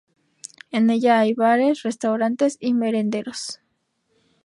En ella hay bares, restaurantes y "merenderos".